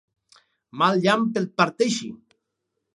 Mal llamp et parteixi!